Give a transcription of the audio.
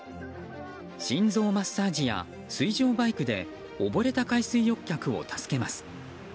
心臓マッサージや水上バイクでおぼれた海水浴客を助けます。